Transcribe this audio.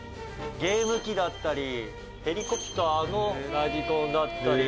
「ゲーム機だったりヘリコプターのラジコンだったり」